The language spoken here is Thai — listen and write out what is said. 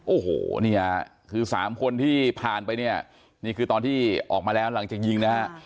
โอ้โหเนี่ยคือสามคนที่ผ่านไปเนี่ยนี่คือตอนที่ออกมาแล้วหลังจากยิงนะฮะ